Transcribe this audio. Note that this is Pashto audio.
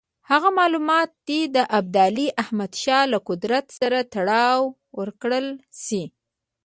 هغه معلومات دې د ابدالي احمدشاه له قدرت سره تړاو ورکړل شي.